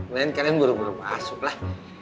mungkin kalian buru buru masuk lah